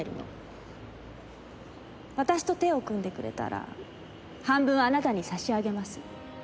私と手を組んでくれたら半分あなたに差し上げます。